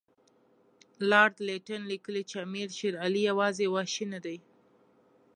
لارډ لیټن لیکي چې امیر شېر علي یوازې وحشي نه دی.